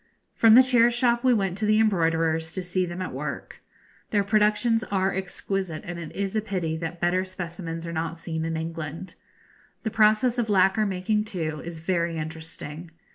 From the chair shop we went to the embroiderers, to see them at work. Their productions are exquisite, and it is a pity that better specimens are not seen in England. The process of lacquer making, too, is very interesting.